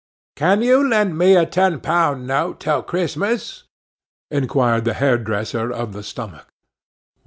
'Can you lend me a ten pound note till Christmas?' inquired the hairdresser of the stomach.